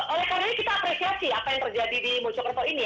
oleh karena ini kita apresiasi apa yang terjadi di mojokerto ini